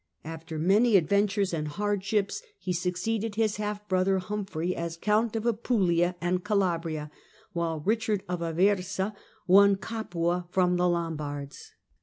After many adventures and hardships, he succeeded his half brother Humphrey as Count of Apulia and Calabria, while Kichard of Aversa won Capua from the Lombards.